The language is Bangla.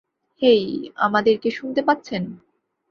হেই, আমাদেরকে শুনতে পাচ্ছেন?